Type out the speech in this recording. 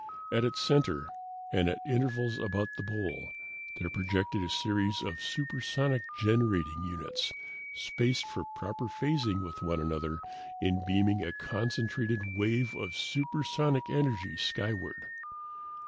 At its center, and at intervals about the bowl, there projected a series of supersonic generating units, spaced for proper phasing with one another in beaming a concentrated wave of supersonic energy skyward.